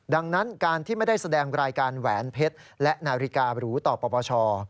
ดังนั้นการที่ไม่ได้แสดงรายการแหวนเพชรและนาฬิการูต่อปปช